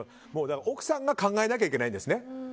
奥さんが考えなきゃいけないんですね。